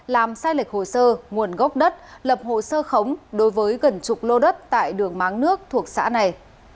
làm sai lệch hồ sơ nguồn gốc đất lập hồ sơ khống đối với gần chục lô đất tại đường máng nước thuộc xã này